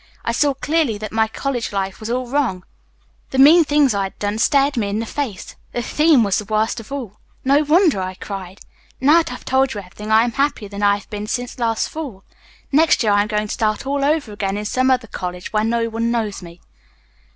I saw clearly that my college life was all wrong. The mean things I had done stared me in the face. The theme was the worst of all. No wonder I cried. Now that I've told you everything I am happier than I have been since last fall. Next year I am going to start all over again in some other college where no one knows me."